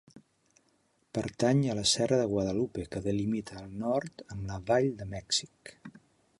Pertany a la Serra de Guadalupe, que delimita al nord amb la Vall de Mèxic.